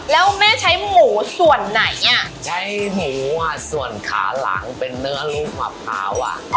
แล้วแม่ใช้หมูส่วนไหนอ่ะใช้หมูอ่ะส่วนขาหลังเป็นเนื้อลูกมะพร้าวอ่ะ